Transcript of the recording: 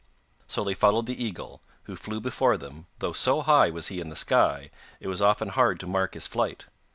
So they followed the eagle, who flew before them, though so high was he in the sky, it was often hard to mark his flight.